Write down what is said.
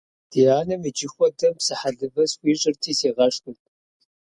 Ди анэм иджы хуэдэм псы хэлывэ схуищӀырти сигъэшхырт.